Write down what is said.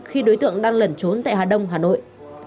khi đối tượng đang lẩn trốn tại hà đông hà nội